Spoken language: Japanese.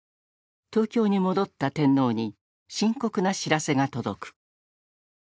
東京に戻った天皇に深刻な知らせが届く。